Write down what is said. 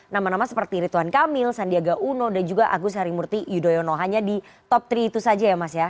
nama nama seperti rituan kamil sandiaga uno dan juga agus harimurti yudhoyono hanya di top tiga itu saja ya mas ya